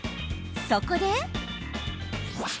そこで。